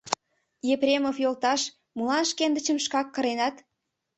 — Епремов йолташ, молан шкендычым шкак кыренат?